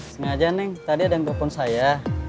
sengaja nih tadi ada yang telepon saya